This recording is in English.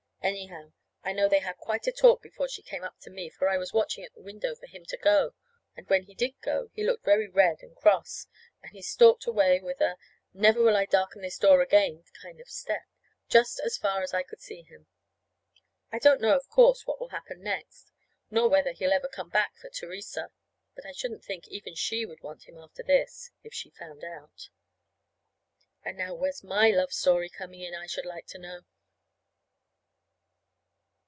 Anyhow, I know they had quite a talk before she came up to me, for I was watching at the window for him to go; and when he did go he looked very red and cross, and he stalked away with a never will I darken this door again kind of a step, just as far as I could see him. I don't know, of course, what will happen next, nor whether he'll ever come back for Theresa; but I shouldn't think even she would want him, after this, if she found out. And now where's my love story coming in, I should like to know?